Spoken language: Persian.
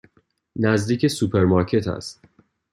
نزدیک سوپرمارکت است.